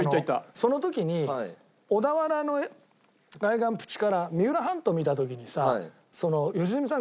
その時に小田原の海岸縁から三浦半島を見た時にさ良純さん